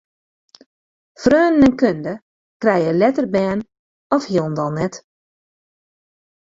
Freonen en kunde krije letter bern of hielendal net.